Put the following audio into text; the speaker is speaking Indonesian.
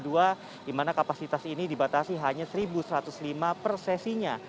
di mana kapasitas ini dibatasi hanya satu satu ratus lima per sesinya